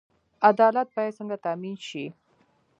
عدالت باید څنګه تامین شي؟